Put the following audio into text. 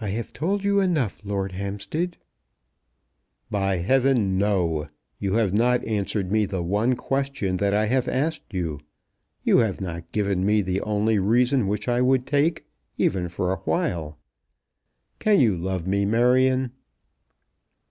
"I have told you enough, Lord Hampstead." "By heavens, no! You have not answered me the one question that I have asked you. You have not given me the only reason which I would take, even for a while. Can you love me, Marion?"